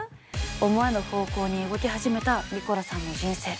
思わぬ方向に動き始めたニコラさんの人生。